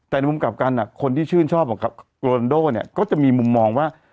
แต่ในมุมกลับกันคนที่ชื่นชอบกับโรนโดเนี่ยก็จะมีมุมมองว่า